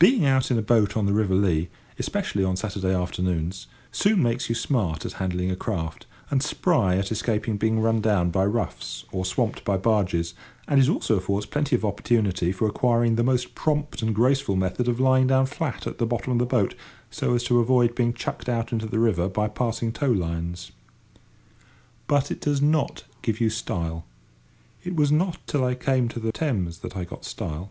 Being out in a boat on the river Lea, especially on Saturday afternoons, soon makes you smart at handling a craft, and spry at escaping being run down by roughs or swamped by barges; and it also affords plenty of opportunity for acquiring the most prompt and graceful method of lying down flat at the bottom of the boat so as to avoid being chucked out into the river by passing tow lines. But it does not give you style. It was not till I came to the Thames that I got style.